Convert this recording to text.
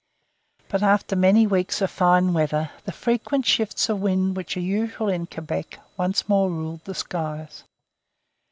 But after many weeks of fine weather the frequent shifts of wind which are usual in Quebec once more ruled the skies.